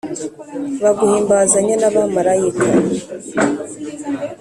baguhimbazanya n'abamalayika,